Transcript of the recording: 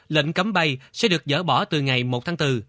lệnh cấm bay sẽ được dỡ bỏ từ ngày một tháng bốn